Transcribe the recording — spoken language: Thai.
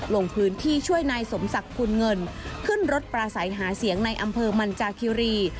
ลงพื้นที่ช่วยนายสมศักดิ์กุลเงินขึ้นรถปราศัยหาเสียงในอำเภอมันจากคิรี